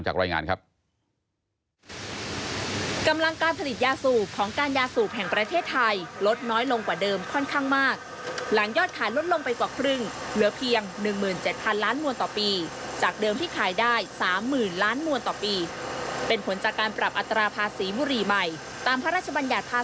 จากรายงานครับ